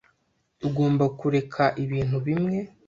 Ugomba kureka ibintu bimwe.